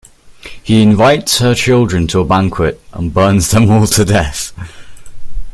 He invites her children to a banquet and burns them all to death.